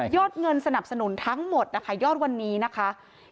เงินสนับสนุนทั้งหมดนะคะยอดวันนี้นะคะ